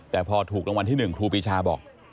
แต่พอถูกรางวัลที่๑ครูปีชาบอก